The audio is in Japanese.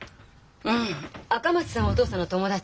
うん赤松さんはお父さんの友達。